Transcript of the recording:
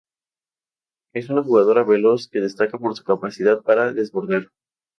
Es una jugadora veloz que destaca por su capacidad para desbordar.